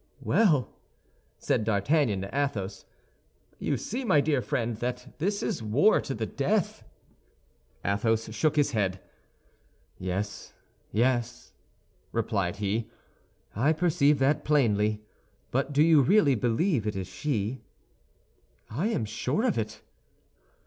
"Well," said D'Artagnan to Athos, "you see, my dear friend, that this is war to the death." Athos shook his head. "Yes, yes," replied he, "I perceive that plainly; but do you really believe it is she?" "I am sure of it."